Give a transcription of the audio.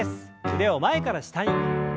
腕を前から下に。